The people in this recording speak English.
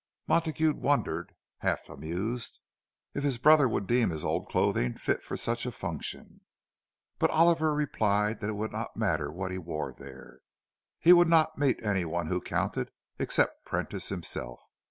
Montague wondered, half amused, if his brother would deem his old clothing fit for such a function. But Oliver replied that it would not matter what he wore there; he would not meet anyone who counted, except Prentice himself.